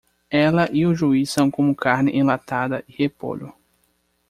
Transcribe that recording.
Ela e o juiz são como carne enlatada e repolho.